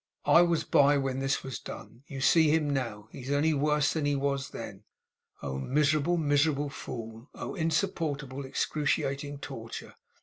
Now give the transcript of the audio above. I was by when this was done. You see him now. He is only worse than he was then.' Oh, miserable, miserable fool! oh, insupportable, excruciating torture!